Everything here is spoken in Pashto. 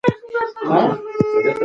د هغه ظلم هیڅ سرحد او قانون نه پېژانده.